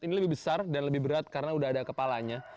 ini lebih besar dan lebih berat karena udah ada kepalanya